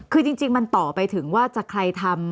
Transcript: คือจริงมันต่อไปถึงว่าจะใครทำ